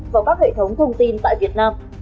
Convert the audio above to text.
vào các hệ thống thông tin tại việt nam